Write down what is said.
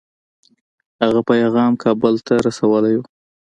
هغه پیغام کابل ته رسولی وو.